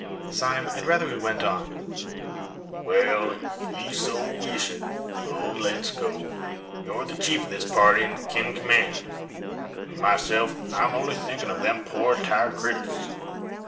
"Sime, I'd rather we went on." "Wal, ef ye so weesh it, on let's go. Your the chief of this party an' kin command. For myself I'm only thinkin' or them poor, tired critters."